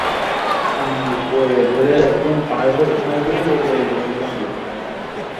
এরই মধ্যে পাশবিক মনোবৃত্তিজনিত অমিতাচারের ফলে আমার চারিত্রিক ও মনোগত পরিবর্তন বেশ খানিকটা ঘটেছিল।